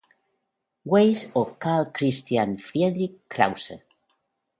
Weiss o Karl Christian Friedrich Krause.